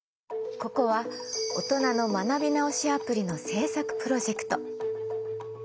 ここはオトナの学び直しアプリの制作プロジェクト。